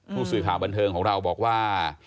ผู้สื่อข่าวบันเทิงของเราบอกว่า